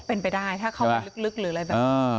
เป็นไปได้ถ้าเข้าไปลึกหรืออะไรแบบนี้